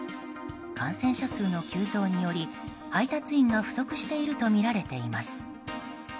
感染者数の急増により配達員が不足しているとみられています。